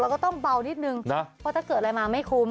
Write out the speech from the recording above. ก็ต้องเบานิดนึงนะเพราะถ้าเกิดอะไรมาไม่คุ้ม